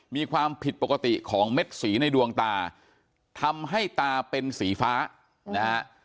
มีความผิดปกติของเม็ดสีในดวงตาทำให้ตาเป็นสีฟ้านะฮะ